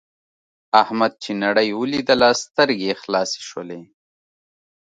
احمد چې نړۍ ولیدله سترګې یې خلاصې شولې.